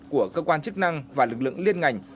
của cơ quan chức năng và lực lượng liên ngành